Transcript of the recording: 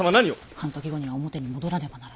半時後には表に戻らねばならぬ。